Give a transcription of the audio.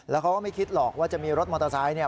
แล้วเขาก็ไม่คิดหรอกว่าจะมีรถมอเตอร์ไซค์เนี่ย